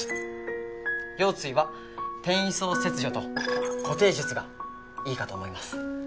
腰椎は転移巣切除と固定術がいいかと思います。